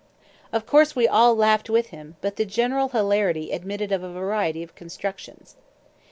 Of course we all laughed with him; but the general hilarity admitted of a variety of constructions.